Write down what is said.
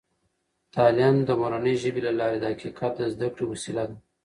تعلیم د مورنۍ ژبې له لارې د حقیقت د زده کړې وسیله ده.